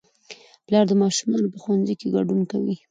پلار د ماشومانو په ښوونځي کې ګډون کوي